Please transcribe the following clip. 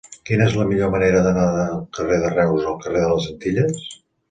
Quina és la millor manera d'anar del carrer de Reus al carrer de les Antilles?